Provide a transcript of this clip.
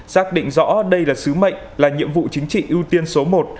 xác định rõ đây là sứ mệnh là nhiệm vụ chính trị ưu tiên số một